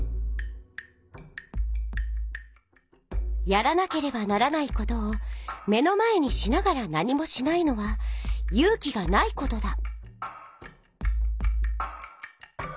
「やらなければならないことを目の前にしながら何もしないのは勇気がないことだ」。